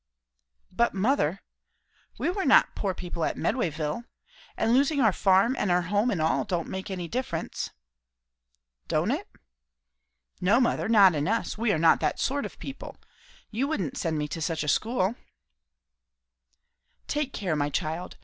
"But mother, we were not poor people at Medwayville? And losing our farm and our home and all, don't make any difference." "Don't it?" "No, mother, not in us. We are not that sort of people. You wouldn't send me to such a school?" "Take care, my child.